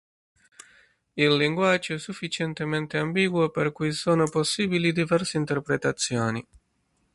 Il linguaggio è sufficientemente ambiguo per cui sono possibili diverse interpretazioni.